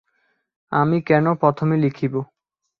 আমি কেন প্রথমে লিখিব।